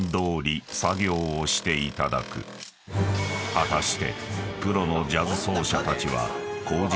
［果たして］